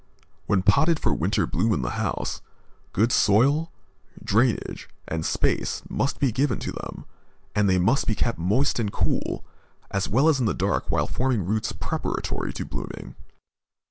When potted for winter bloom in the house, good soil, drainage, and space must be given to them and they must be kept moist and cool, as well as in the dark while forming roots preparatory to blooming.